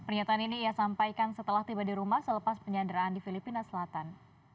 pernyataan ini ia sampaikan setelah tiba di rumah selepas penyanderaan di filipina selatan